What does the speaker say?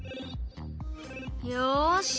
よし！